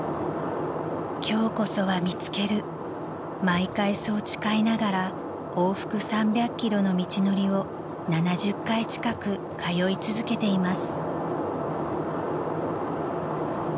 ［今日こそは見つける毎回そう誓いながら往復３００ｋｍの道のりを７０回近く通い続けています］